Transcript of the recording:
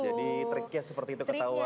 jadi triknya seperti itu ketahuan ya